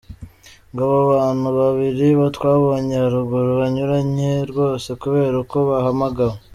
Ngabo ba bantu babiri twabonye haruguru banyuranye rwose kubera uko bahamagawe.